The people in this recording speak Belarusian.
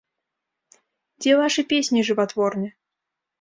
Дзе вашы песні жыватворны?